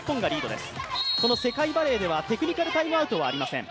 世界バレーではテクニカルタイムアウトはありません。